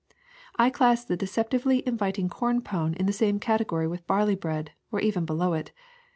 I class the deceptively inviting corn pone in the same category with barley bread, or even below it.